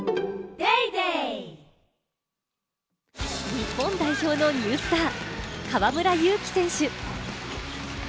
日本代表のニュースター・河村勇輝選手。